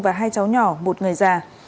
và hai cháu nhỏ một người già